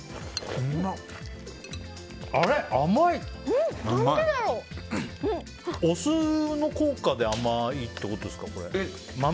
これ、お酢の効果で甘いってことですか？